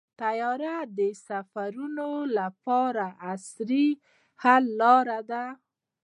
طیاره د سفرونو لپاره عصري حل لاره ده.